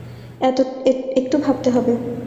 একটু ভাবতে হবে।